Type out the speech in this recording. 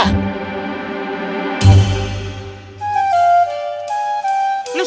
tidak ada yang ngomong